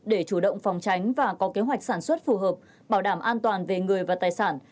để chủ động phòng tránh và có kế hoạch sản xuất phù hợp bảo đảm an toàn về người và tài sản